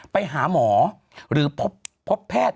ไปหาหมอหรือพบแพทย์